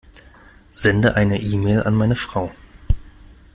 Sende eine E-Mail an meine Frau.